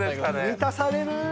満たされる。